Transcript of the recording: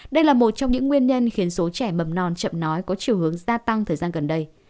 đây là một trong những nguyên nhân khiến số trẻ mầm non chậm nói có chiều hướng gia tăng thời gian gần đây